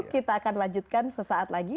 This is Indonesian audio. kita akan lanjutkan sesaat lagi